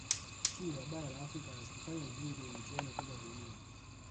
timu za bara la afrika hazikufanya vizuri kwenye michuano ya kombe la dunia